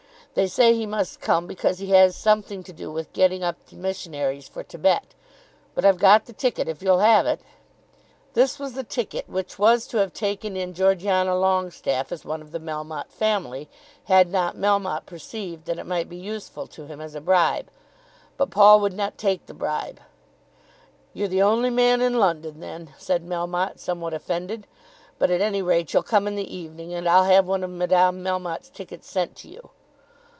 They say he must come because he has something to do with getting up the missionaries for Thibet. But I've got the ticket, if you'll have it." This was the ticket which was to have taken in Georgiana Longestaffe as one of the Melmotte family, had not Melmotte perceived that it might be useful to him as a bribe. But Paul would not take the bribe. "You're the only man in London then," said Melmotte, somewhat offended. "But at any rate you'll come in the evening, and I'll have one of Madame Melmotte's tickets sent to you."